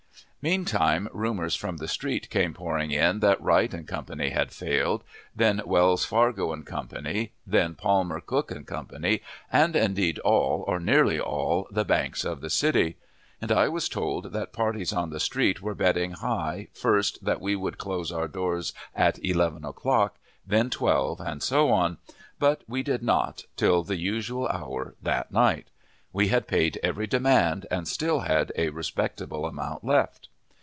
Meantime, rumors from the street came pouring in that Wright & Co. had failed; then Wells, Fargo & Co.; then Palmer, Cook & Co., and indeed all, or nearly all, the banks of the city; and I was told that parties on the street were betting high, first, that we would close our doors at eleven o'clock; then twelve, and so on; but we did not, till the usual hour that night. We had paid every demand, and still had a respectable amount left.